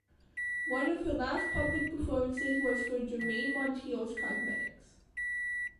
One of her last public performances was for Germaine Monteil's cosmetics.